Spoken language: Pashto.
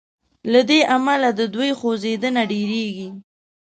له دې امله د دوی خوځیدنه ډیریږي.